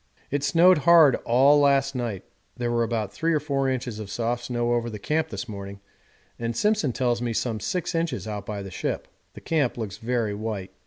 It snowed hard all last night; there were about three or four inches of soft snow over the camp this morning and Simpson tells me some six inches out by the ship. The camp looks very white.